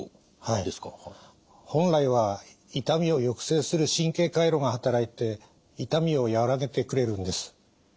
本来は痛みを抑制する神経回路が働いて痛みを和らげてくれるんです。